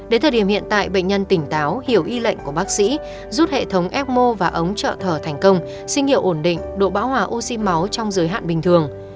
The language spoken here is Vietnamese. đến thời điểm hiện tại bệnh nhân tỉnh táo hiểu y lệnh của bác sĩ giúp hệ thống ecmo và ống trợ thở thành công sinh hiệu ổn định độ bão hòa oxy máu trong giới hạn bình thường